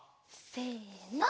せの。